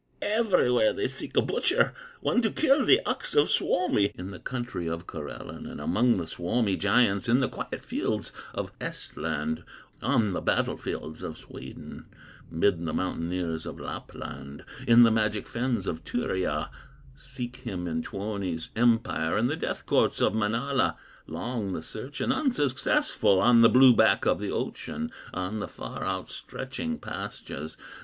Everywhere they seek a butcher, One to kill the ox of Suomi, In the country of Karelen, And among the Suomi giants, In the quiet fields of Ehstland, On the battle fields of Sweden, Mid the mountaineers of Lapland, In the magic fens of Turya; Seek him in Tuoni's empire, In the death courts of Manala. Long the search, and unsuccessful, On the blue back of the ocean, On the far outstretching pastures.